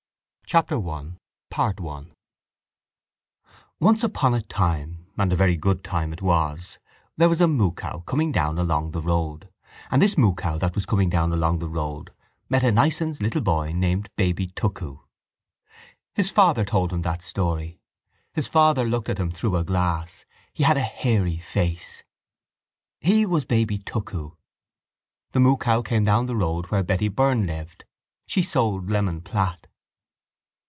18. Chapter I Once upon a time and a very good time it was there was a moocow coming down along the road and this moocow that was coming down along the road met a nicens little boy named baby tuckoo.... His father told him that story: his father looked at him through a glass: he had a hairy face. He was baby tuckoo. The moocow came down the road where Betty Byrne lived: she sold lemon platt.